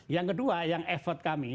yang kedua yang effort kami